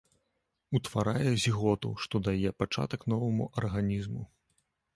Утварае зіготу, што дае пачатак новаму арганізму.